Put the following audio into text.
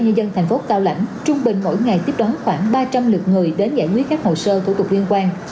nhân dân thành phố cao lãnh trung bình mỗi ngày tiếp đón khoảng ba trăm linh lượt người đến giải quyết các hồ sơ thủ tục liên quan